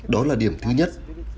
đó là điểm thứ nhất